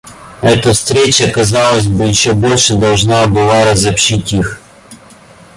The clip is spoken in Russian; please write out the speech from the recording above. Эта встреча, казалось бы, еще больше должна была разобщить их.